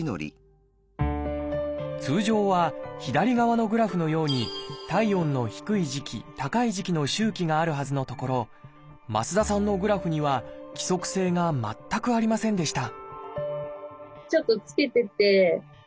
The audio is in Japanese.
通常は左側のグラフのように体温の低い時期高い時期の周期があるはずのところ増田さんのグラフには規則性が全くありませんでした